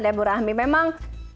dabur rahmi memang